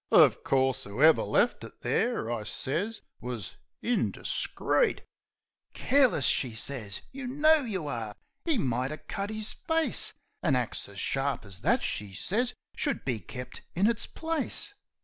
Uv course, 'ooever left it there," I sez, u wus indiscreet" "Careless!" she sez. "You know you are! 'E might 'a' cut 'is face! An axe as sharp as that," she sez, "should be kep' in its place."